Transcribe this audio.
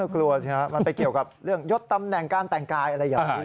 กลัวสิฮะมันไปเกี่ยวกับเรื่องยดตำแหน่งการแต่งกายอะไรอย่างนี้